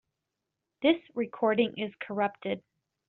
This recording is corrupted.